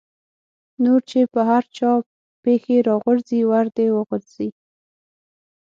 نور چې په هر چا پېښې را غورځي ور دې وغورځي.